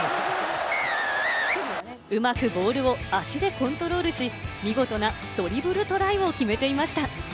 うまくボールを足でコントロールし、見事なドリブルトライを決めていました。